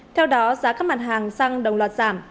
theo đó giá các mặt hàng xăng đồng loạt giảm